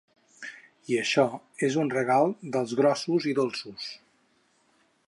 I això és un regal dels grossos i dolços.